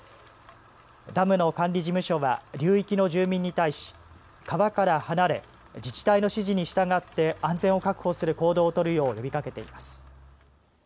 ダムの管理事務所は流域の住民に対し、川から離れ自治体の指示に従って安全を確保する行動を取るよう呼びかけています。